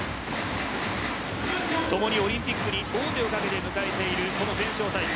共にオリンピックに王手をかけて迎えている全勝対決。